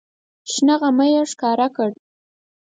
شنه غمی یې ښکل کړ.